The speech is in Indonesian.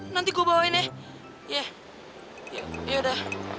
nanti gue bawain ya